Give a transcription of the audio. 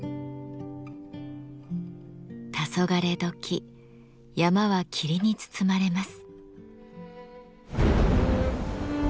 たそがれ時山は霧に包まれます。